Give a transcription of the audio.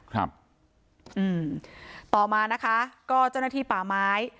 ครับอืมต่อมานะคะก็เจ้าหน้าที่ป่าไม้